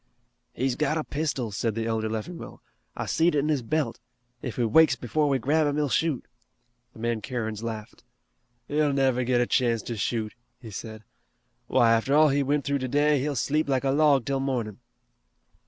"He's got a pistol," said the elder Leffingwell, "I seed it in his belt. If he wakes before we grab him he'll shoot." The man Kerins laughed. "He'll never get a chance to shoot," he said. "Why, after all he went through today, he'll sleep like a log till mornin'."